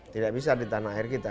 tidak bisa di tanah air kita